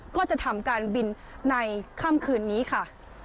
ก็จะทำการบินในค่ำคืนนี้ค่ะ